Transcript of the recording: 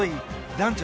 男女